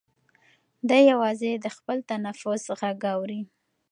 دی یوازې د خپل تنفس غږ اوري.